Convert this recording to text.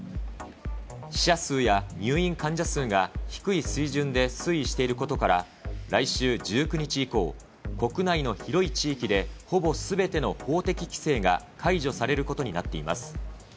死者数や入院患者数が低い水準で推移していることから、来週１９日以降、国内の広い地域で、ほぼすべての法的規制が解除されることになっています。